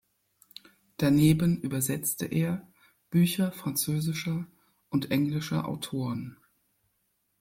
Daneben übersetzte er Bücher französischer und englischer Autoren.